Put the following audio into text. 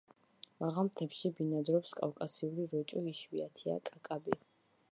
მაღალ მთებში ბინადრობს კავკასიური როჭო, იშვიათია კაკაბი.